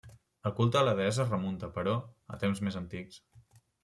El culte a la deessa es remunta, però, a temps més antics.